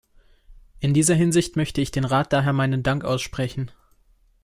In dieser Hinsicht möchte ich dem Rat daher meinen Dank aussprechen.